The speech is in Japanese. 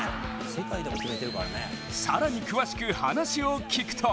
更に詳しく話を聞くと